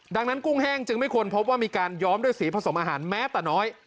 ดังนั้นกุ้งแห้งจึงไม่ควรพบว่ามีการย้อมด้วยสีผสมอาหารแม้แต่น้อย